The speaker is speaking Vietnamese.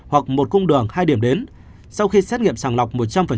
hoặc một cung đường hai điểm đến sau khi xét nghiệm sàng lọc một trăm linh